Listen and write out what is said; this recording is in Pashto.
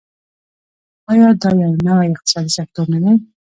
آیا دا یو نوی اقتصادي سکتور نه دی؟